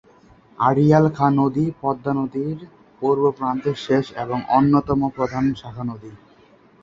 আড়িয়াল খাঁ নদী পদ্মা নদীর পূর্বপ্রান্তের শেষ এবং অন্যতম প্রধান শাখানদী।